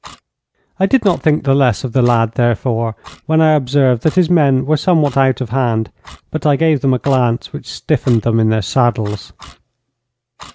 I did not think the less of the lad, therefore, when I observed that his men were somewhat out of hand, but I gave them a glance which stiffened them in their saddles.